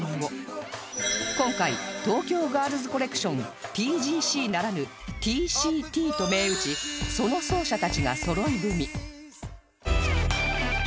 今回東京ガールズコレクション ＴＧＣ ならぬ ＴＣＴ と銘打ちその奏者たちがそろい踏み